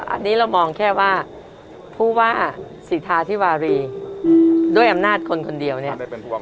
อันนี้เรามองแค่ว่าผู้ว่าสิทธาธิวารีด้วยอำนาจคนคนเดียวเนี่ย